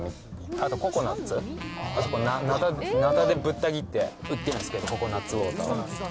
あと、ココナッツ、なたでぶった切って、売ってるんです、ココナッツウォーターとか。